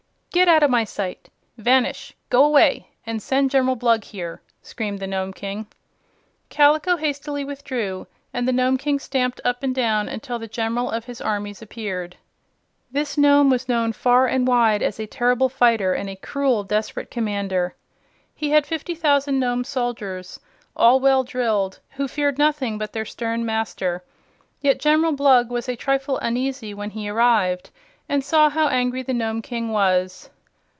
"Get out of my sight! Vanish! Go away and send General Blug here," screamed the Nome King. Kaliko hastily withdrew, and the Nome King stamped up and down until the General of his armies appeared. This Nome was known far and wide as a terrible fighter and a cruel, desperate commander. He had fifty thousand Nome soldiers, all well drilled, who feared nothing but their stern master. Yet General Blug was a trifle uneasy when he arrived and saw how angry the Nome King was.